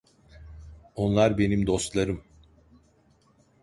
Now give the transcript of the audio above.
Onlar benim dostlarım.